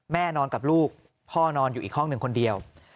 นอนกับลูกพ่อนอนอยู่อีกห้องหนึ่งคนเดียว